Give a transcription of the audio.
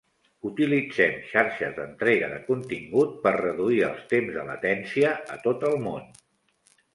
Utilitzem xarxes d'entrega de contingut per reduir els temps de latència a tot el món.